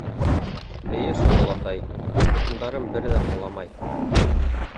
— Эйе шул, олатай, утындарым бер ҙә ҡоламай.